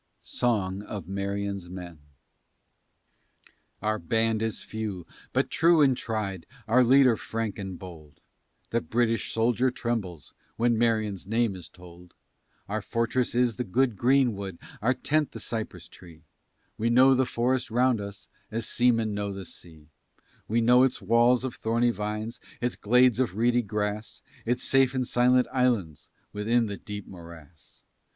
SONG OF MARION'S MEN Our band is few, but true and tried, Our leader frank and bold; The British soldier trembles When Marion's name is told. Our fortress is the good greenwood, Our tent the cypress tree; We know the forest round us As seamen know the sea. We know its walls of thorny vines, Its glades of reedy grass, Its safe and silent islands Within the dark morass.